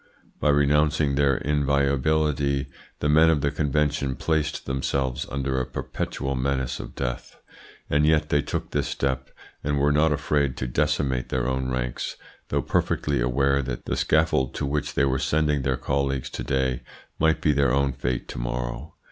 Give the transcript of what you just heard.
By renouncing their inviolability the men of the Convention placed themselves under a perpetual menace of death and yet they took this step, and were not afraid to decimate their own ranks, though perfectly aware that the scaffold to which they were sending their colleagues to day might be their own fate to morrow.